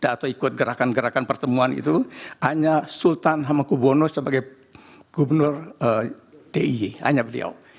atau ikut gerakan gerakan pertemuan itu hanya sultan hamakubono sebagai gubernur di hanya beliau